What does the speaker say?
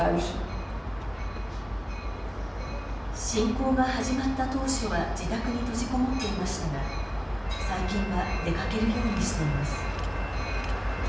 侵攻が始まった当初は自宅に閉じこもっていましたが最近は出かけるようにしています。